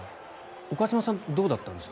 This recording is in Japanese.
岡島さんはどうだったんですか？